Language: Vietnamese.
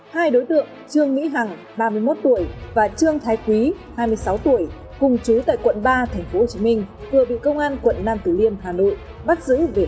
hai đối tượng trương mỹ hằng ba mươi một tuổi và trương thái quý hai mươi sáu tuổi cùng chú tại quận ba tp hcm vừa bị công an quận nam tử liêm hà nội bắt giữ về tội